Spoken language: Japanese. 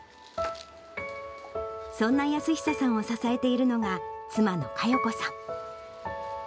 そんな泰久さんを支えているのが妻の加代子さん。